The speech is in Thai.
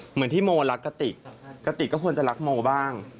เหมือนที่โมรักกะติกะติกก็ควรจะรักโมบ้าง